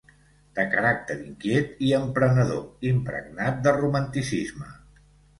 De caràcter inquiet i emprenedor, impregnat de romanticisme.